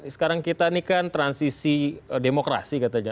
sekarang kita ini kan transisi demokrasi katanya